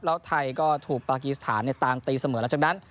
แล้วไทยก็ถูกปากีสถานตามตีเสมอหลังจากนั้น